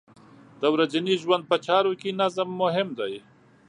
د ورځنۍ ژوند په چارو کې نظم مهم دی.